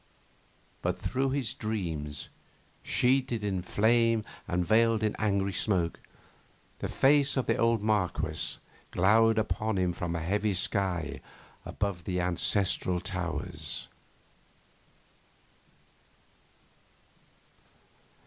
But through his dreams, sheeted in flame and veiled in angry smoke, the face of the old Marquess glowered upon him from a heavy sky above ancestral towers.